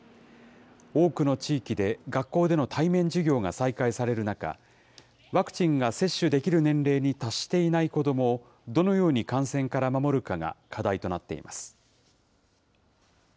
多くの地域で学校での対面授業が再開される中、ワクチンが接種できる年齢に達していない子どもを、どのように感染から守るかが課題となっています。